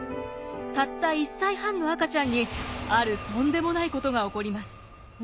たった１歳半の赤ちゃんにあるとんでもないことが起こります。